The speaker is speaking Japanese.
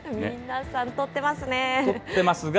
皆さん撮ってますね。